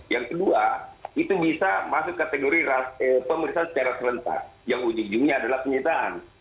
yang kedua itu bisa masuk kategori pemeriksaan secara serentak yang ujung ujungnya adalah penyitaan